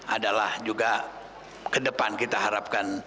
adalah juga kedepan kita harapkan